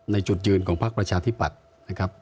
จุดยืนของพักประชาธิปัตย์นะครับ